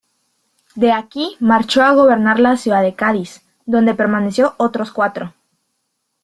De aquí marchó a gobernar la ciudad de Cádiz, donde permaneció otros cuatro.